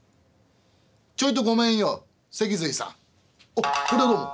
「あっこりゃどうも。